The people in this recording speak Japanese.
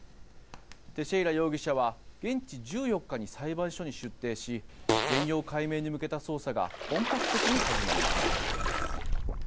テシェイラ容疑者は現地１４日に裁判所に出廷し全容解明に向けた捜査が本格的に始まります。